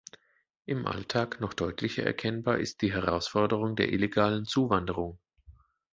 Im Alltag noch deutlicher erkennbar ist die Herausforderung der illegalen Zuwanderung.